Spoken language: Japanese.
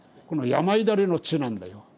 このやまいだれの「痴」なんだよ。